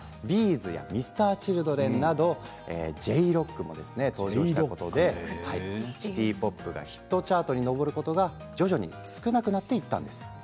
’ｚやＭｒ．ＣｈｉｌｄｒｅｎなどＪ−ＲＯＣＫも登場したことでシティ・ポップがヒットチャートに上ることが徐々に少なくなっていったんです。